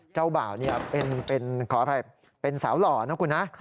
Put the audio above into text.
เจ้าบ่าวขออภัยเป็นสาวหล่อนะคุณนะ